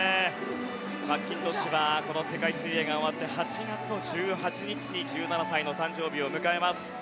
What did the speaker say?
マッキントッシュはこの世界水泳が終わって８月１８日に１７歳の誕生日を迎えます。